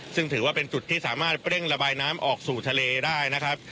ซึ่งถือว่าเป็นจุดที่สามารถเร่งระบายน้ำออกสู่ทะเลได้นะครับ